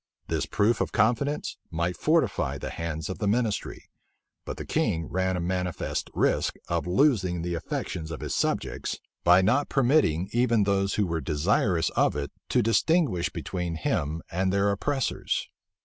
This proof of confidence might fortify the hands of the ministry; but the king ran a manifest risk of losing the affections of his subjects, by not permitting even those who were desirous of it to distinguish between him and their oppressors.